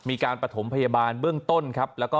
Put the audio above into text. มีการประถมพยาบาลเบื้องต้นครับ